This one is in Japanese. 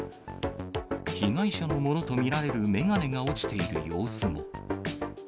被害者のものと見られる眼鏡が落ちている様子も。